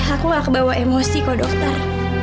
aku gak kebawa emosi ke dokter